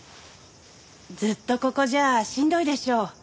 ずっとここじゃあしんどいでしょ。